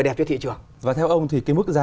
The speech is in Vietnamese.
đẹp cho thị trường và theo ông thì cái mức giá